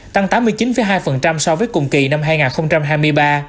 tăng tám mươi chín hai so với cùng kỳ năm hai nghìn hai mươi ba